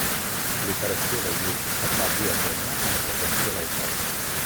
L'operació d'ajust es va dur a terme en presència del reu.